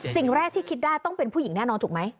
สิ่งแรกที่คิดได้ต้องเป็นผู้หญิงแน่นอนถูกไหม